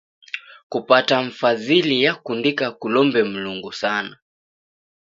Kupata mfazili yakundika kulombe Mlungu sana.